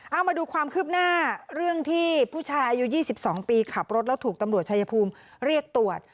เอามาดูความคืบหน้าเรื่องที่ผู้ชายอายุ๒๒ปีขับรถแล้วถูกตำรวจชายภูมิเรียกตรวจ